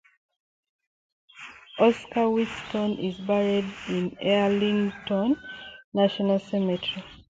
Oscar Westover is buried in Arlington National Cemetery.